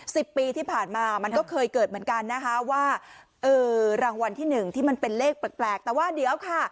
สิบปีที่ผ่านมามันก็เคยเกิดเหมือนกันนะคะว่าเออรางวัลที่หนึ่งที่มันเป็นเลขแปลกแปลกแต่ว่าเดี๋ยวค่ะ